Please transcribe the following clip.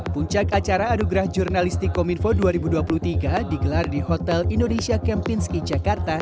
puncak acara adugrah jurnalistik kominfo dua ribu dua puluh tiga digelar di hotel indonesia kempinski jakarta